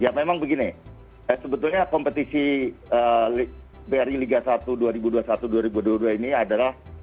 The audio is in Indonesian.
ya memang begini sebetulnya kompetisi bri liga satu dua ribu dua puluh satu dua ribu dua puluh dua ini adalah